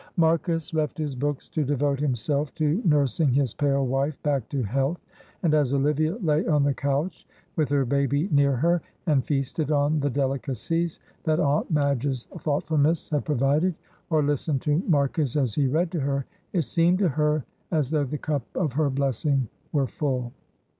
Marcus left his books to devote himself to nursing his pale wife back to health. And as Olivia lay on the couch with her baby near her, and feasted on the delicacies that Aunt Madge's thoughtfulness had provided, or listened to Marcus as he read to her, it seemed to her, as though the cup of her blessing were full.